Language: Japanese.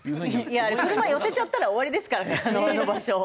いやあれ車寄せちゃったら終わりですからねあの場所。